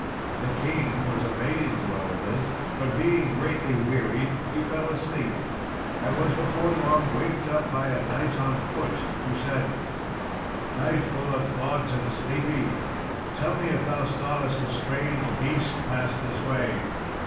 The king was amazed at all this; but being greatly wearied, he fell asleep, and was before long waked up by a knight on foot, who said, "Knight, full of thought and sleepy, tell me if thou sawest a strange beast pass this way?"